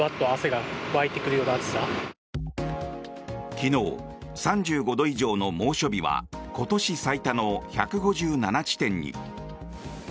昨日、３５度以上の猛暑日は今年最多の１５７地点に。